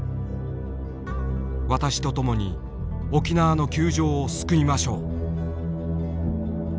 「私と共に沖縄の窮状を救いましょう」。